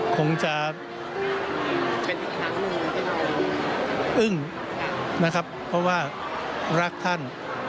คงจะอึ้งนะครับเพราะว่ารักท่าน